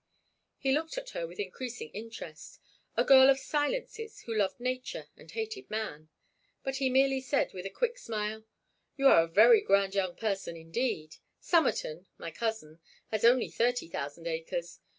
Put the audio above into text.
He looked at her with increasing interest—a girl of silences who loved nature and hated man. But he merely said, with his quick smile: "You are a very grand young person indeed. Somerton—my cousin—has only thirty thousand acres.